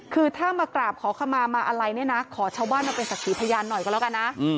คือถ้ามากราบขอขมามาอะไรเนี่ยนะขอชาวบ้านมาเป็นศักดิ์พยานหน่อยก็แล้วกันนะ